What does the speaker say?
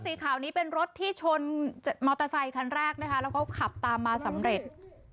สีขาวนี้เป็นรถที่ชนมอเตอร์ไซคันแรกนะคะแล้วก็ขับตามมาสำเร็จ